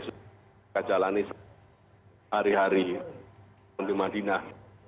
kita jalani hari hari di madinah